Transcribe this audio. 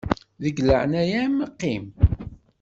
Deg laɛnaya-m qqim.